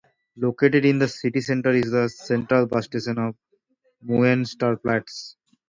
Located in the city centre is the central bus station Muensterplatz.